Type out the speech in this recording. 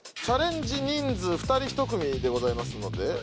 チャレンジ人数２人１組でございますので。